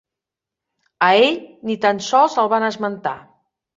A ell, ni tan sols el van esmentar.